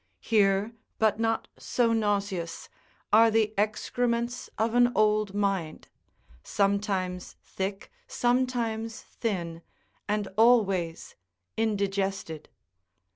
Here, but not so nauseous, are the excrements of an old mind, sometimes thick, sometimes thin, and always indigested.